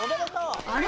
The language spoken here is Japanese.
あれ？